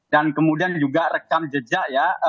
dan kemudian juga rekam jejak ya